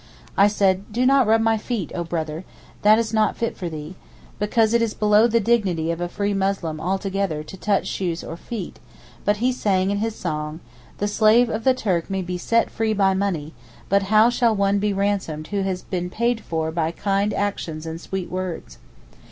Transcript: I said, 'Do not rub my feet, oh brother—that is not fit for thee' (because it is below the dignity of a free Muslim altogether to touch shoes or feet), but he sang in his song, 'The slave of the Turk may be set free by money, but how shall one be ransomed who has been paid for by kind actions and sweet words?